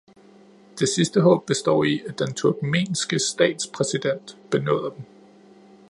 Det sidste håb består i, at den turkmenske statspræsident benåder dem.